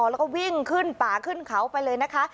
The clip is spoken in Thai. แล้วก็วิ่งขึ้นป่าขึ้นเขาไปเลยนะคะ